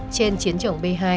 trên chiến trưởng b hai